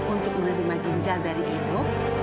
untuk menerima ginjal dari induk